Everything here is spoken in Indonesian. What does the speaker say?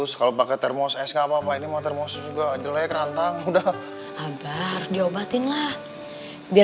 sampai jumpa di video selanjutnya